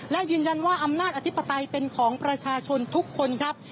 และยืนยันว่าอำนาจอธิปไตยเป็นของประชาชนทุกคนครับ